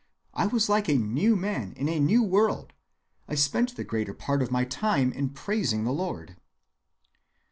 I was like a new man in a new world. I spent the greater part of my time in praising the Lord."